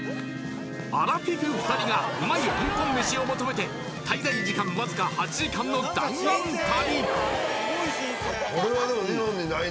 アラフィフ２人がうまい香港飯を求めて滞在時間わずか８時間の弾丸旅！